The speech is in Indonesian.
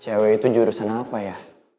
cewek itu jurusan apa ya